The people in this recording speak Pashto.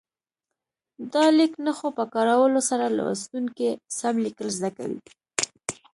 د لیک نښو په کارولو سره لوستونکي سم لیکل زده کوي.